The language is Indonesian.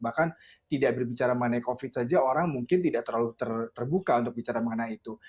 bahkan tidak berbicara mengenai covid saja orang mungkin tidak terlalu terbuka untuk bicara mengenai itu